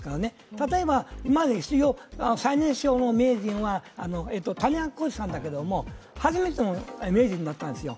例えばまず史上最年少名人は谷川浩司さんだけど、初めての名人なんですよ